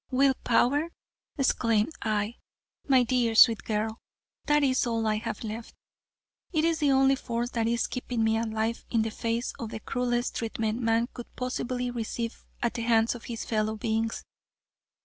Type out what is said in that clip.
"Will power," exclaimed I, "my dear sweet girl, that is all I have left. It is the only force that is keeping me alive in the face of the cruelest treatment man could possibly receive at the hands of his fellow beings.